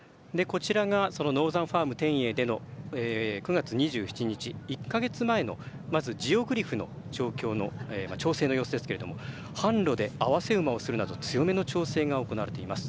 こちらがノーザンファーム天栄での９月２７日、１か月前のジオグリフの調整の様子ですけど坂路で併せ馬をするなど強めの調整が行われています。